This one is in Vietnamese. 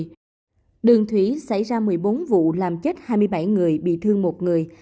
trong đó đường bộ xảy ra một mươi bốn vụ làm chết hai mươi bảy người bị thương một người